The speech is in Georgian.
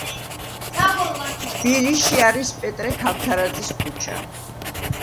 თბილისში არის პეტრე ქავთარაძის ქუჩა.